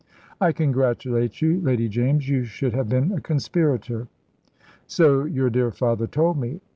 "I congratulate you, Lady James; you should have been a conspirator." "So your dear father told me.